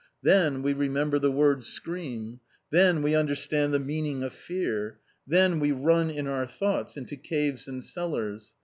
Then, we remember the word "Scream." Then, we understand the meaning of fear! Then, we run (in our thoughts) into caves and cellars.